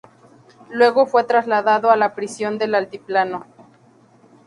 Luego fue trasladado a la prisión del altiplano.